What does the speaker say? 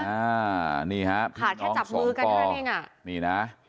อ่านี่ฮะขาดแค่จับมือกันกันเองอ่ะนี่น่ะ